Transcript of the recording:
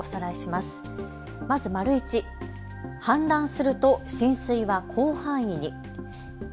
まず１、氾濫すると浸水は広範囲に。